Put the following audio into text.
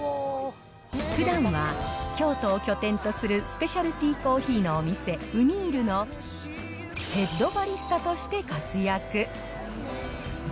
ふだんは京都を拠点とする、スペシャルティコーヒーのお店、ウニールのヘッドバリスタとして活躍。